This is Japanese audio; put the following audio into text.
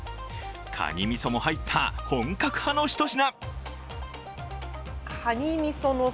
かにみそも入った本格派の一品。